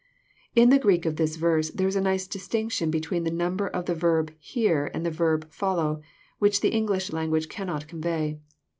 In the Greek of this verse, there is a nice distinction between the number of the verb "hear" and the verb "follow," which the English language cannot convey.